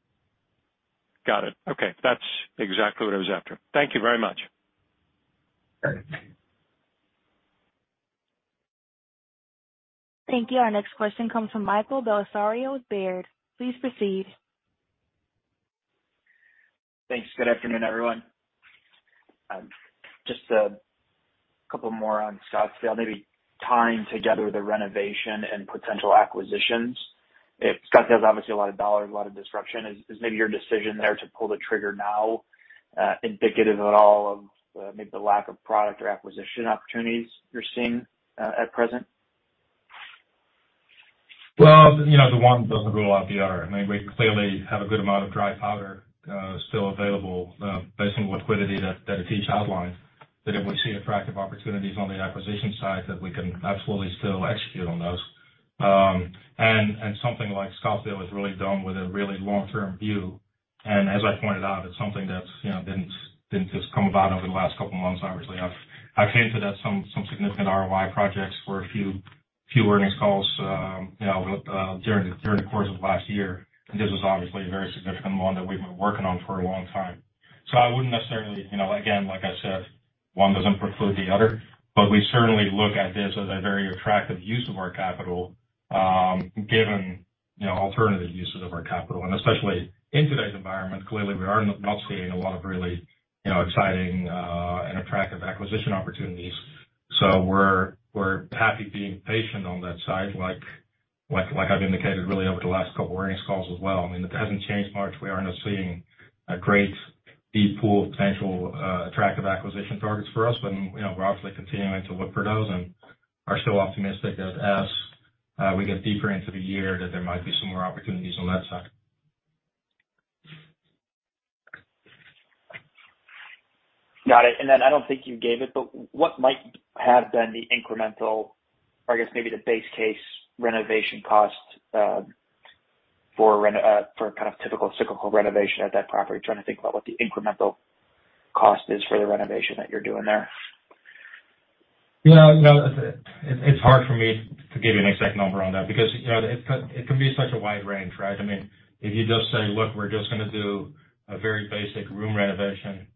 Got it. Okay. That's exactly what I was after. Thank you very much. Okay. Thank you. Our next question comes from Michael Bellisario with Baird. Please proceed. Thanks. Good afternoon, everyone. Just a couple more on Scottsdale, maybe tying together the renovation and potential acquisitions. If Scottsdale has obviously a lot of dollars, a lot of disruption, is maybe your decision there to pull the trigger now indicative at all of maybe the lack of product or acquisition opportunities you're seeing at present? Well, you know, one doesn't rule out the other. I mean, we clearly have a good amount of dry powder still available based on the liquidity that Atish outlined, that if we see attractive opportunities on the acquisition side, that we can absolutely still execute on those. And something like Scottsdale is really done with a really long-term view. And as I pointed out, it's something that's, you know, been just come about over the last couple of months. Obviously, I've hinted at some significant ROI projects for a few earnings calls, you know, during the course of last year. This is obviously a very significant one that we've been working on for a long time. I wouldn't necessarily, you know. Again, like I said, one doesn't preclude the other. We certainly look at this as a very attractive use of our capital, given, you know, alternative uses of our capital. Especially in today's environment, clearly, we are not seeing a lot of really, you know, exciting, and attractive acquisition opportunities. We're happy being patient on that side, like I've indicated, really over the last couple of earnings calls as well. I mean, it hasn't changed much. We are not seeing a great deep pool of potential, attractive acquisition targets for us. You know, we're obviously continuing to look for those and are still optimistic that as we get deeper into the year, that there might be some more opportunities on that side. Got it. I don't think you gave it, but what might have been the incremental or I guess maybe the base case renovation cost, for kind of typical cyclical renovation at that property? I'm trying to think about what the incremental cost is for the renovation that you're doing there. You know, no, it's hard for me to give you an exact number on that because, you know, it can, it can be such a wide range, right? I mean, if you just say, "Look, we're just gonna do a very basic room renovation,"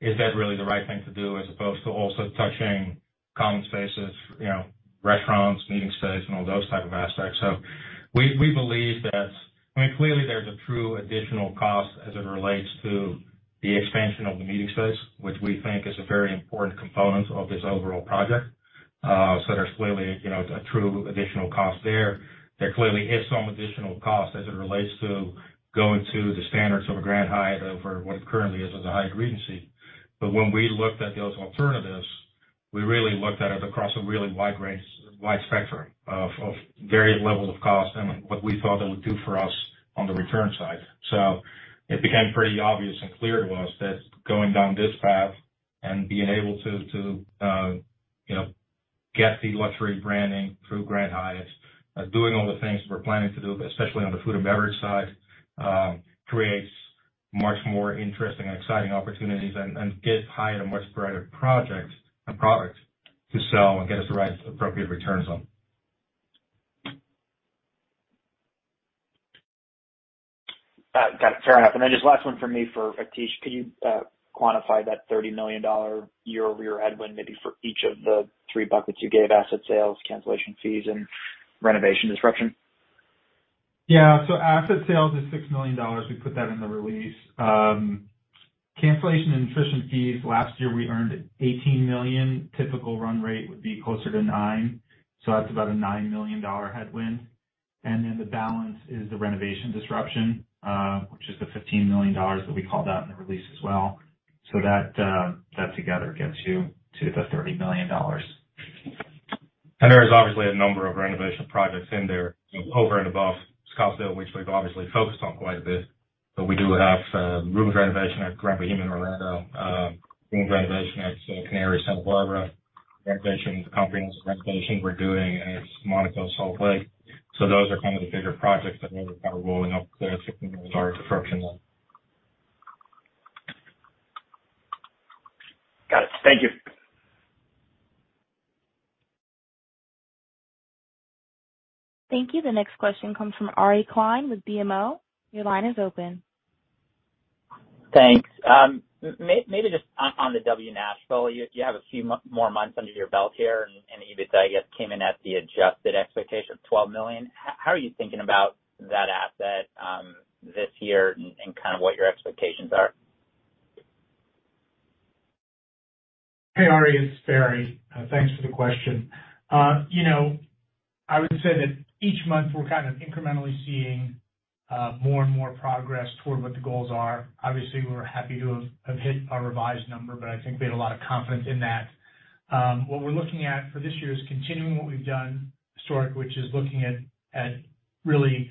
is that really the right thing to do as opposed to also touching common spaces, you know, restaurants, meeting space and all those type of aspects? We believe that, I mean, clearly there's a true additional cost as it relates to the expansion of the meeting space, which we think is a very important component of this overall project. There's clearly, you know, a true additional cost there. There clearly is some additional cost as it relates to going to the standards of a Grand Hyatt over what it currently is as a Hyatt Regency. When we looked at those alternatives, we really looked at it across a really wide range, wide spectrum of various levels of cost and what we thought it would do for us on the return side. It became pretty obvious and clear to us that going down this path and being able to, you know, get the luxury branding through Grand Hyatt, doing all the things we're planning to do, especially on the food and beverage side, creates much more interesting and exciting opportunities and gives Hyatt a much brighter project and product to sell and get us the right appropriate returns on. Got it. Fair enough. Just last one from me for Atish. Could you quantify that $30 million year-over-year headwind maybe for each of the three buckets you gave: asset sales, cancellation fees, and renovation disruption? Yeah. Asset sales is $6 million. We put that in the release. Cancellation and attrition fees, last year we earned $18 million. Typical run rate would be closer to $9 million, so that's about a $9 million headwind. The balance is the renovation disruption, which is the $15 million that we called out in the release as well. That, that together gets you to the $30 million. There is obviously a number of renovation projects in there over and above Scottsdale, which we've obviously focused on quite a bit. We do have room renovation at Grand Bahama Island, room renovation at Canary Santa Barbara, renovation conference, renovation we're doing at Monaco Salt Lake. Those are kind of the bigger projects that we're kind of rolling up the $15 million disruption on. Got it. Thank you. Thank you. The next question comes from Ari Klein with BMO. Your line is open. Thanks. Maybe just on the W Nashville. You have a few more months under your belt here, and EBITDA, I guess, came in at the adjusted expectation of $12 million. How are you thinking about that asset this year and kind of what your expectations are? Hey, Ari, it's Barry. Thanks for the question. You know, I would say that each month we're kind of incrementally seeing more and more progress toward what the goals are. Obviously, we were happy to have hit our revised number, but I think we had a lot of confidence in that. What we're looking at for this year is continuing what we've done historic, which is looking at really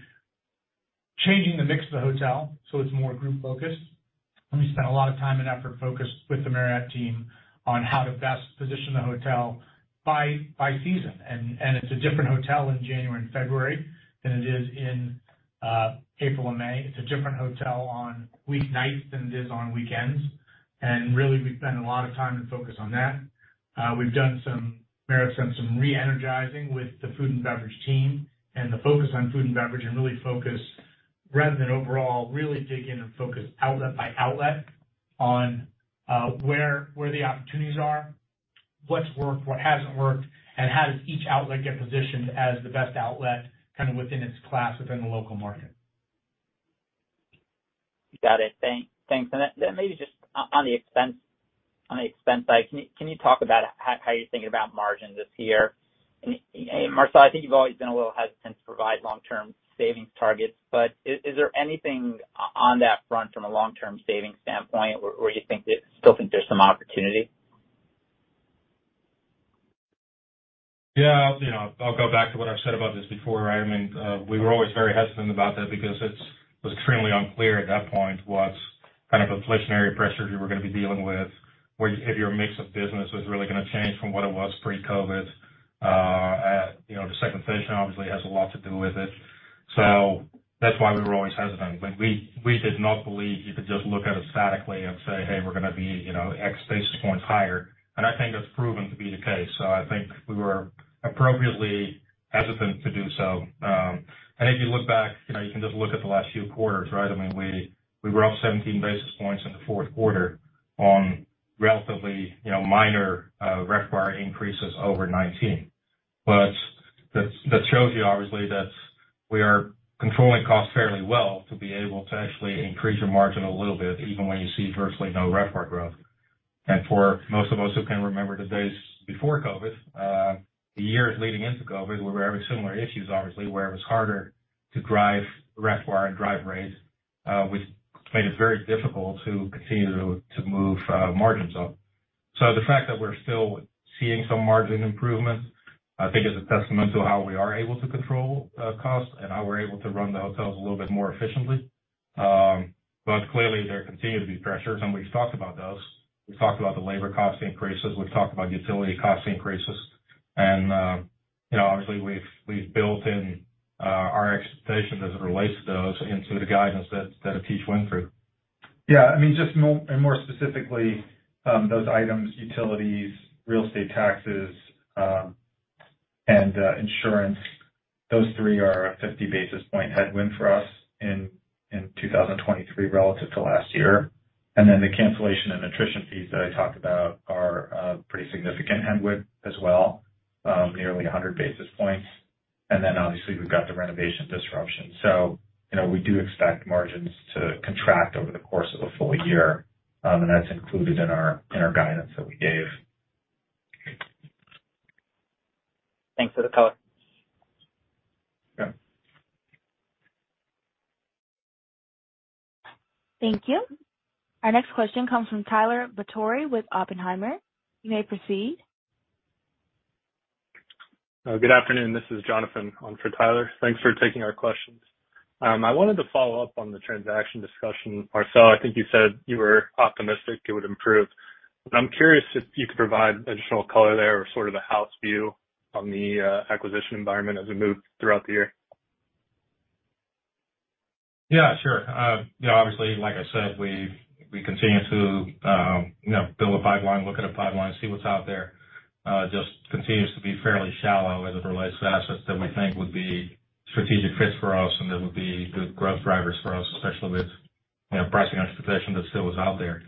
changing the mix of the hotel so it's more group-focused. We spent a lot of time and effort focused with the Marriott team on how to best position the hotel by season. It's a different hotel in January and February than it is in April and May. It's a different hotel on week nights than it is on weekends. Really, we've spent a lot of time and focus on that. Marriott's done some re-energizing with the food and beverage team and the focus on food and beverage, and really focus, rather than overall, really dig in and focus outlet by outlet on where the opportunities are, what's worked, what hasn't worked, and how does each outlet get positioned as the best outlet kind of within its class, within the local market. Got it. Thanks. Then maybe just on the expense side, can you talk about how you're thinking about margins this year? Marcel, I think you've always been a little hesitant to provide long-term savings targets, but is there anything on that front from a long-term savings standpoint where you still think there's some opportunity? Yeah. You know, I'll go back to what I've said about this before, right? I mean, we were always very hesitant about that because it was extremely unclear at that point what kind of inflationary pressures we were gonna be dealing with, where if your mix of business was really gonna change from what it was pre-COVID. You know, the second portion obviously has a lot to do with it. That's why we were always hesitant. Like, we did not believe you could just look at it statically and say, "Hey, we're gonna be, you know, X basis points higher." I think that's proven to be the case. I think we were appropriately hesitant to do so. If you look back, you know, you can just look at the last few quarters, right? I mean, we were up 17 basis points in the fourth quarter on relatively, you know, minor RevPAR increases over 2019. That shows you obviously that we are controlling costs fairly well to be able to actually increase your margin a little bit even when you see virtually no RevPAR growth. For most of us who can remember the days before COVID, the years leading into COVID were very similar issues, obviously, where it was harder to drive RevPAR and drive rates, which made it very difficult to continue to move margins up. The fact that we're still seeing some margin improvements, I think is a testament to how we are able to control costs and how we are able to run the hotels a little bit more efficiently. Clearly there continue to be pressures, and we've talked about those. We've talked about the labor cost increases. We've talked about utility cost increases. You know, obviously, we've built in our expectations as it relates to those into the guidance that Atish went through. Yeah. I mean, just more, and more specifically, those items, utilities, real estate taxes, and insurance, those three are a 50 basis point headwind for us in 2023 relative to last year. The cancellation and attrition fees that I talked about are pretty significant headwind as well, nearly a 100 basis points. Obviously, we've got the renovation disruption. You know, we do expect margins to contract over the course of a full year, and that's included in our, in our guidance that we gave. Thanks for the color. Yeah. Thank you. Our next question comes from Tyler Batory with Oppenheimer. You may proceed. Good afternoon. This is Jonathan on for Tyler. Thanks for taking our questions. I wanted to follow up on the transaction discussion. Marcel, I think you said you were optimistic it would improve. I'm curious if you could provide additional color there or sort of the house view on the acquisition environment as we move throughout the year? Yeah, sure. You know, obviously, like I said, we continue to, you know, build a pipeline, look at a pipeline and see what's out there. It just continues to be fairly shallow as it relates to assets that we think would be a strategic fit for us and that would be good growth drivers for us, especially with, you know, pricing anticipation that still is out there.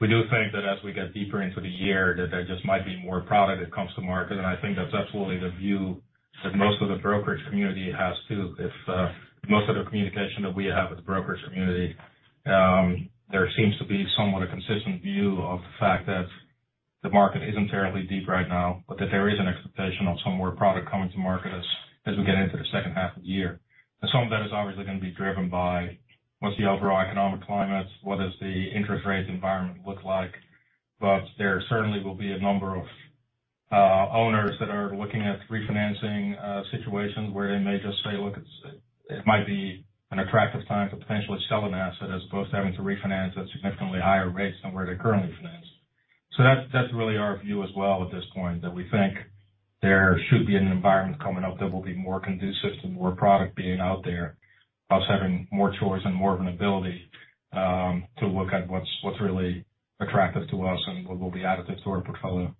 We do think that as we get deeper into the year, that there just might be more product that comes to market. I think that's absolutely the view that most of the brokerage community has, too. If most of the communication that we have with the brokerage community, there seems to be somewhat a consistent view of the fact that the market isn't terribly deep right now, but that there is an expectation of some more product coming to market as we get into the second half of the year. Some of that is obviously gonna be driven by what's the overall economic climate, what does the interest rate environment look like. There certainly will be a number of owners that are looking at refinancing situations where they may just say, "Look, it might be an attractive time to potentially sell an asset as opposed to having to refinance at significantly higher rates than where they currently finance." That's, that's really our view as well at this point, that we think there should be an environment coming up that will be more conducive to more product being out there, us having more choice and more of an ability to look at what's really attractive to us and what will be additive to our portfolio.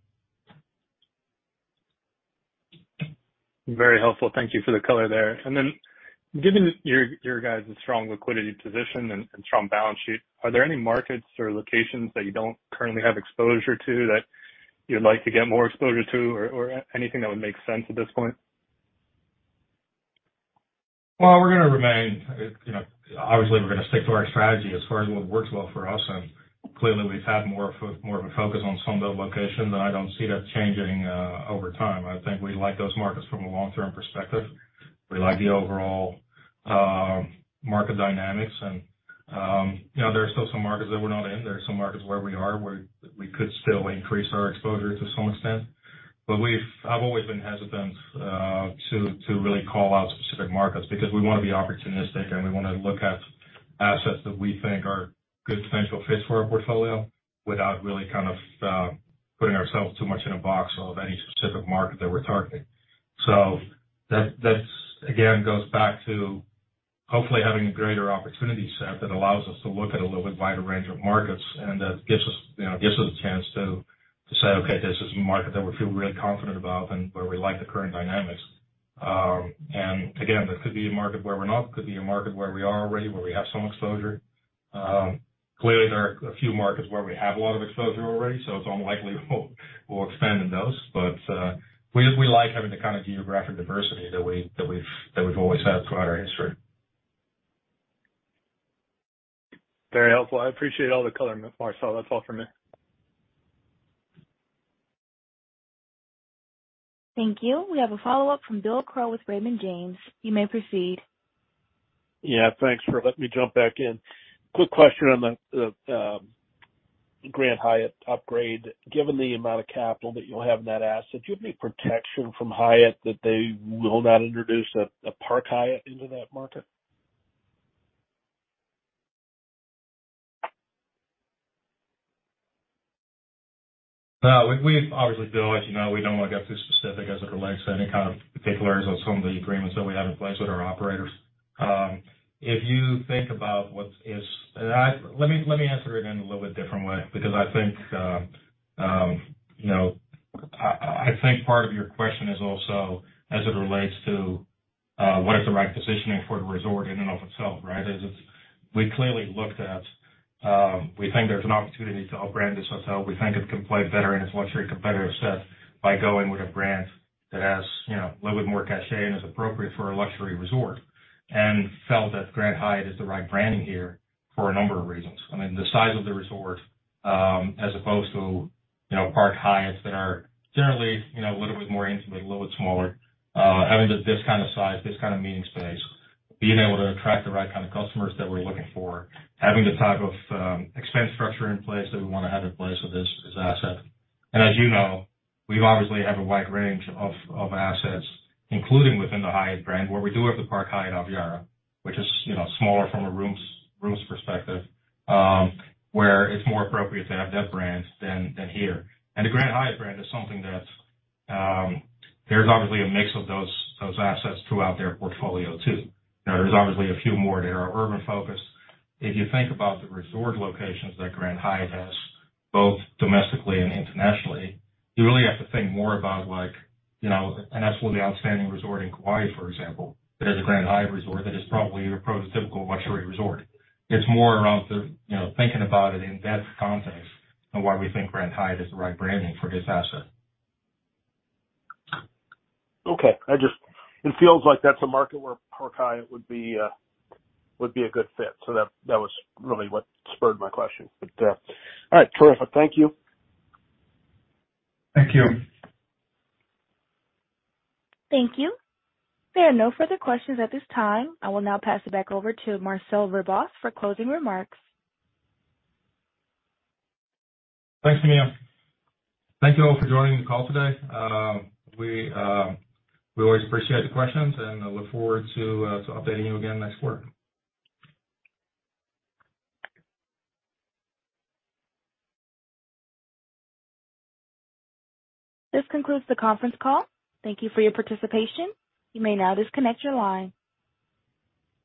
Very helpful. Thank you for the color there. Given your guys' strong liquidity position and strong balance sheet, are there any markets or locations that you don't currently have exposure to that you'd like to get more exposure to or anything that would make sense at this point? Well, we're gonna remain, you know, obviously, we're gonna stick to our strategy as far as what works well for us. Clearly, we've had more of a focus on some of the locations, and I don't see that changing over time. I think we like those markets from a long-term perspective. We like the overall market dynamics. You know, there are still some markets that we're not in. There are some markets where we are, where we could still increase our exposure to some extent. I've always been hesitant to really call out specific markets because we wanna be opportunistic, and we wanna look at assets that we think are good potential fits for our portfolio without really kind of putting ourselves too much in a box of any specific market that we're targeting. That, again, goes back to hopefully having a greater opportunity set that allows us to look at a little bit wider range of markets, and that gives us, you know, gives us a chance to say, "Okay, this is a market that we feel really confident about and where we like the current dynamics." Again, that could be a market where we're not, could be a market where we are already, where we have some exposure. Clearly there are a few markets where we have a lot of exposure already, so it's unlikely we'll expand in those. We just, we like having the kind of geographic diversity that we've always had throughout our history. Very helpful. I appreciate all the color, Marcel. That's all for me. Thank you. We have a follow-up from Bill Crow with Raymond James. You may proceed. Yeah, thanks for letting me jump back in. Quick question on the Grand Hyatt upgrade. Given the amount of capital that you'll have in that asset, do you have any protection from Hyatt that they will not introduce a Park Hyatt into that market? No. Obviously, Bill, as you know, we don't wanna get too specific as it relates to any kind of particulars on some of the agreements that we have in place with our operators. Let me answer it in a little bit different way, because I think, you know, I think part of your question is also as it relates to what is the right positioning for the resort in and of itself, right? We clearly looked at, we think there's an opportunity to up-brand this hotel. We think it can play better in its luxury competitor set by going with a brand that has, you know, a little bit more cachet and is appropriate for a luxury resort. Felt that Grand Hyatt is the right branding here for a number of reasons. I mean, the size of the resort, as opposed to, you know, Park Hyatts that are generally, you know, a little bit more intimate, a little bit smaller. Having this kind of size, this kind of meeting space, being able to attract the right kind of customers that we're looking for, having the type of expense structure in place that we wanna have in place with this asset. As you know, we obviously have a wide range of assets, including within the Hyatt brand, where we do have the Park Hyatt Aviara, which is, you know, smaller from a rooms perspective, where it's more appropriate to have that brand than here. The Grand Hyatt brand is something that, there's obviously a mix of those assets throughout their portfolio too. You know, there's obviously a few more that are urban-focused. If you think about the resort locations that Grand Hyatt has, both domestically and internationally, you really have to think more about, like, you know, an absolutely outstanding resort in Kauai, for example, that is a Grand Hyatt resort that is probably your prototypical luxury resort. It's more around the, you know, thinking about it in that context and why we think Grand Hyatt is the right branding for this asset. Okay. It feels like that's a market where Park Hyatt would be, would be a good fit. That was really what spurred my question. All right, terrific. Thank you. Thank you. Thank you. There are no further questions at this time. I will now pass it back over to Marcel Verbaas for closing remarks. Thanks, Tamia. Thank you all for joining the call today. We always appreciate the questions and look forward to updating you again next quarter. This concludes the conference call. Thank you for your participation. You may now disconnect your line.